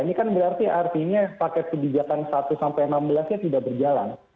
ini kan berarti artinya paket kebijakan satu sampai enam belas nya tidak berjalan